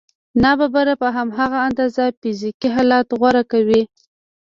ناببره په هماغه اندازه فزیکي حالت غوره کوي